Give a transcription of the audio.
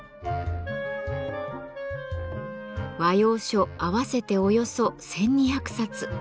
和洋書合わせておよそ１，２００冊。